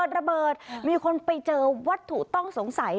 ระเบิดมีคนไปเจอวัตถุต้องสงสัย